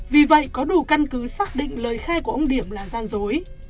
vì vậy có đủ căn cứ xác định lời khai của ông điểm là gian dối